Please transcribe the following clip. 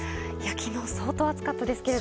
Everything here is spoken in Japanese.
昨日、相当暑かったですけど。